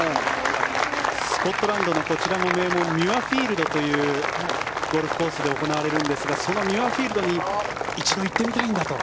スコットランドのこちらの名門ミュアフィールドというゴルフコースで行われるんですがそのミュアフィールドに一度行ってみたいんだと。